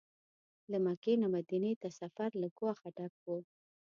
له مکې نه مدینې ته سفر له ګواښه ډک و.